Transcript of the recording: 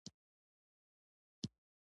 ایا زه باید مالګه وخورم؟